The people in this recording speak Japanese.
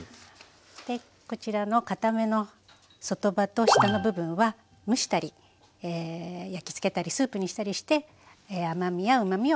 でこちらのかための外葉と下の部分は蒸したり焼きつけたりスープにしたりして甘みやうまみを味わいます。